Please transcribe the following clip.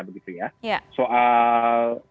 begitu ya soal